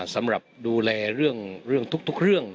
สำหรับดูแลเรื่องทุกเรื่อง